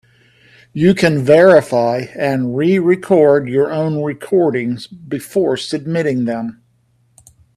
You can verify and re-record your own recordings before submitting them.